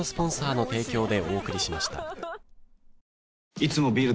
いつもビール